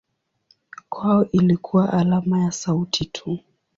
Kwao ilikuwa alama ya sauti tu.